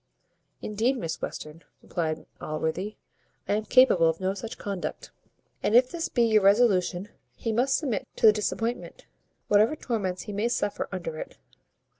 "Indeed, Miss Western," replied Allworthy, "I am capable of no such conduct; and if this be your resolution, he must submit to the disappointment, whatever torments he may suffer under it."